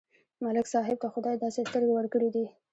ملک صاحب ته خدای داسې سترګې ورکړې دي،